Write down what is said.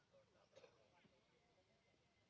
สวัสดีครับ